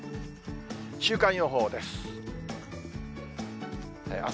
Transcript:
週間予報です。